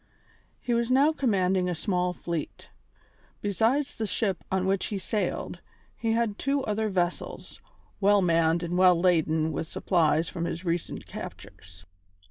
He was now commanding a small fleet. Besides the ship on which he sailed, he had two other vessels, well manned and well laden with supplies from his recent captures.